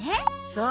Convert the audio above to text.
そう。